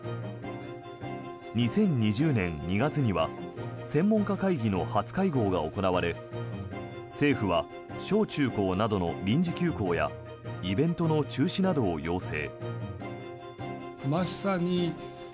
２０２０年２月には専門家会議の初会合が行われ政府は小中高などの臨時休校やイベントの中止などを要請。